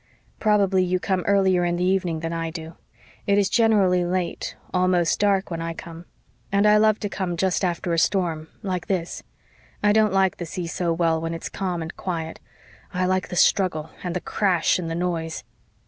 "Probably you come earlier in the evening than I do. It is generally late almost dark when I come. And I love to come just after a storm like this. I don't like the sea so well when it's calm and quiet. I like the struggle and the crash and the noise."